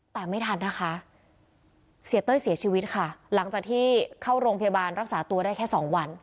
แต่ไม่ทันนะคะเสียเต้ยเสียชีวิตค่ะหลังจากที่เข้าโรงพยาบาลรักษาตัวได้แค่สองวัน